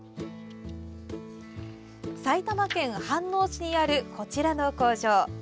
埼玉県飯能市にあるこちらの工場。